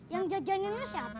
yang jajanin lo siapa